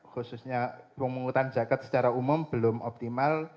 khususnya pemungutan zakat secara umum belum optimal